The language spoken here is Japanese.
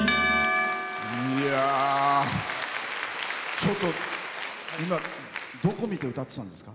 ちょっと、今どこ見て歌ってたんですか？